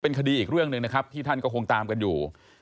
คดีอีกเรื่องหนึ่งนะครับที่ท่านก็คงตามกันอยู่